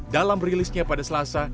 dalam rilisnya pada selasa